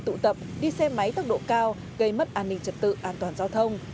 tụ tập đi xe máy tốc độ cao gây mất an ninh trật tự an toàn giao thông